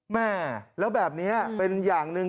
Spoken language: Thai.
แม่แล้วแบบนี้เป็นอย่างหนึ่ง